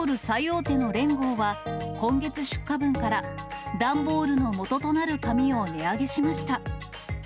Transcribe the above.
最大手のレンゴーは、今月出荷分から、段ボールのもととなる紙を値上げしました。